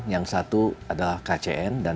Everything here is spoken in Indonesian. yang satu adalah kcn